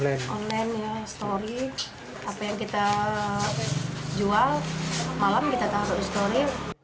apa yang kita jual malam kita taruh di story